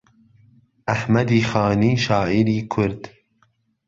ئەحمەدی خانی شاعیری کورد